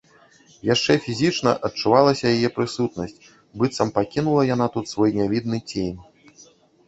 Яшчэ фізічна адчувалася яе прысутнасць, быццам пакінула яна тут свой нявідны цень.